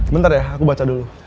bentar ya aku baca dulu